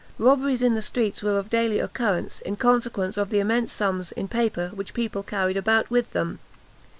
Robberies in the streets were of daily occurrence, in consequence of the immense sums, in paper, which people carried about with them.